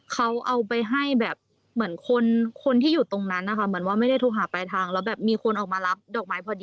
คือผู้เสียหายค่ะ